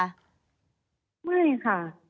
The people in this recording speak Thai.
ไม่ค่ะ